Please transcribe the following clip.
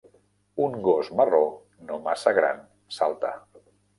Un gos marró no massa gran salta